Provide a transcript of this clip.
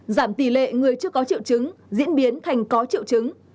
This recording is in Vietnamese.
giảm tỷ lệ người chưa có triệu chứng diễn biến thành có triệu chứng